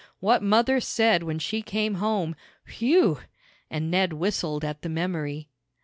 what mother said when she came home whew!" and Ned whistled at the memory.